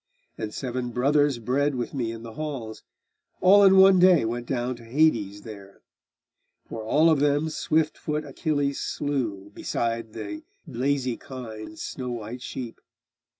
And seven brothers bred with me in the halls, All in one day went down to Hades there; For all of them swift foot Achilles slew Beside the lazy kine and snow white sheep.